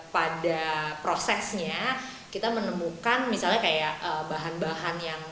pada prosesnya kita menemukan misalnya kayak bahan bahan yang